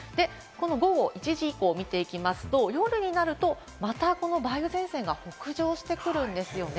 午後１時以降を見ていきますと夜になるとまた梅雨前線が北上してくるんですよね。